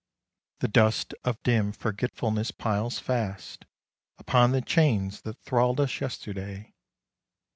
The dust of dim forgetfulness piles fast Upon the chains that thralled us yesterday.